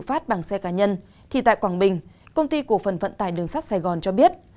phát bằng xe cá nhân thì tại quảng bình công ty cổ phần vận tải đường sắt sài gòn cho biết